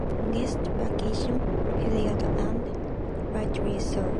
The summer break is typically the longest vacation period, and rightly so.